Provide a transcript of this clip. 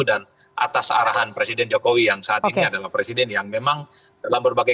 dan atas arahan presiden jokowi yang saat ini adalah presiden yang memang dalam berbagai